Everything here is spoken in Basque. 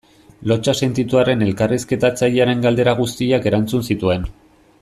Lotsa sentitu arren elkarrizketatzailearen galdera guztiak erantzun zituen.